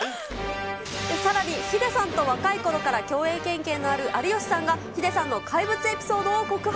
さらに、ヒデさんと若いころから共演経験のある有吉さんがヒデさんの怪物エピソードを告白。